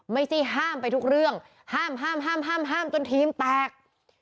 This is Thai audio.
ไม่ใช่ห้ามไปทุกเรื่องห้ามห้ามห้ามห้ามห้ามจนทีมแตก